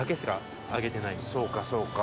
そうかそうか。